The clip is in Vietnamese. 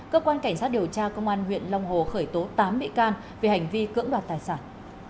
cơ quan cảnh sát điều tra công an huyện long hồ khởi tố tám bị can về hành vi cưỡng đoạt tài sản